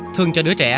thương cho đứa trẻ